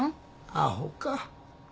アホか。